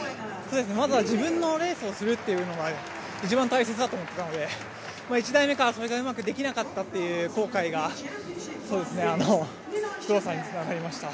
まずは自分のレースをするというのが一番大切だと思っていたので、１台目からそれがうまくできなかったという後悔が動作につながりました。